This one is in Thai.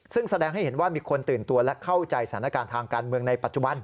ซึ่งแสดงให้เห็นว่ามีคนตื่นตัวและเข้าใจสถานการณ์ทางการเมืองในปัจจุบัน